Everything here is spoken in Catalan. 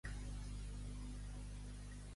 Nascut a Catalunya de pare alabès i mare catalana.